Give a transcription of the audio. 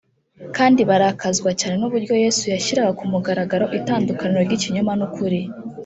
, kandi barakazwaga cyane n’uburyo Yesu yashyiraga ku mugaragaro itandukaniro ry’ikinyoma n’ukuri